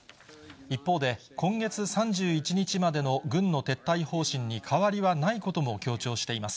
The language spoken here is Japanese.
一方で、今月３１日までの軍の撤退方針に変わりはないことも強調しています。